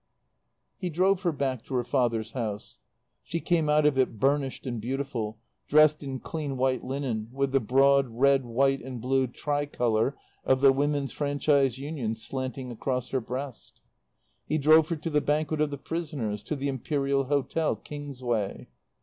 He drove her back to her father's house. She came out of it burnished and beautiful, dressed in clean white linen, with the broad red, white and blue tricolour of the Women's Franchise Union slanting across her breast. He drove her to the Banquet of the Prisoners, to the Imperial Hotel, Kingsway.